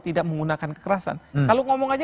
tidak menggunakan kekerasan kalau ngomong aja